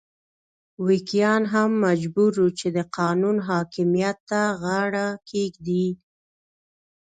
ویګیان هم مجبور وو چې د قانون حاکمیت ته غاړه کېږدي.